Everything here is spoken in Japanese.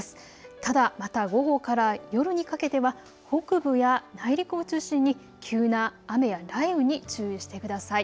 ただ、また午後から夜にかけては北部や内陸を中心に急な雨や雷雨に注意してください。